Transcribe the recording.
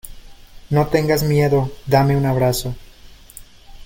no tengas miedo, dame un abrazo.